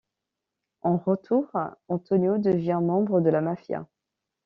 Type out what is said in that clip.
En retour, Antonio devient membre de la mafia.